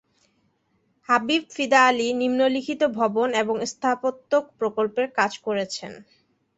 হাবিব ফিদা আলী নিম্নলিখিত ভবন এবং স্থাপত্য প্রকল্পে কাজ করেছেন।